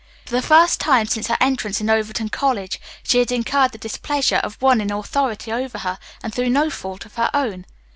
For the first time since her entrance into Overton College she had incurred the displeasure of one in authority over her, and through no fault of her own.